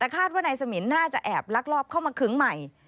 คาดว่านายสมินน่าจะแอบลักลอบเข้ามาขึ้งใหม่